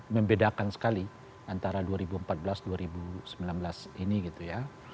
membedakan sekali antara dua ribu empat belas dua ribu sembilan belas ini gitu ya